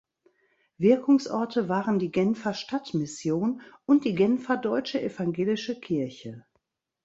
Wirkungsorte waren die Genfer Stadtmission und die Genfer "Deutsche evangelische Kirche".